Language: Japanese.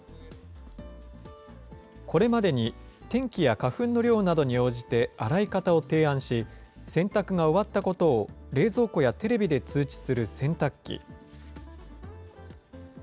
これまでに、天気や花粉の量などに応じて洗い方を提案し、洗濯が終わったことを冷蔵庫やテレビで通知する洗濯機。